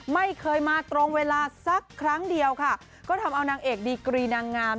ไม่เคยมาตรงเวลาสักครั้งเดียวค่ะก็ทำเอานางเอกดีกรีนางงาม